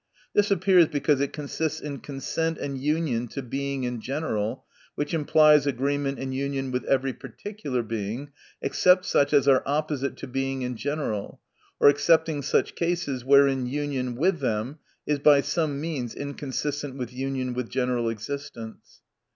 This appears, because it consists in consent and union to Being in general ; which implies agreement and union with every par ticular Being, except such as are opposite to Being in general, or excepting such cases wherein union with them is by some means inconsistent with union with general existence.